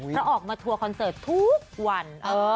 เพราะออกมาทัวร์คอนเสิร์ตทุกวัน